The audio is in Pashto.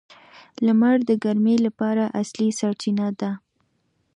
• لمر د ګرمۍ لپاره اصلي سرچینه ده.